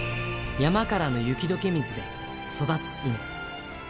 山からの雪どけ水で育つ稲。